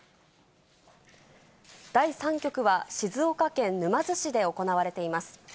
第３局は、静岡県沼津市で行われています。